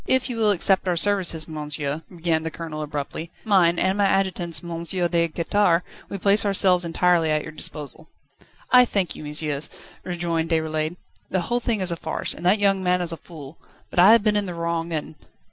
"If you will accept our services, monsieur," began the Colonel abruptly, "mine, and my adjutant's, M. de Quettare, we place ourselves entirely at your disposal." "I thank you, messieurs," rejoined Déroulède. "The whole thing is a farce, and that young man is a fool; but I have been in the wrong and